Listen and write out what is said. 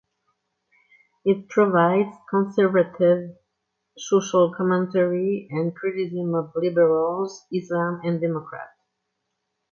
It provides conservative social commentary and criticism of liberals, Islam and Democrats.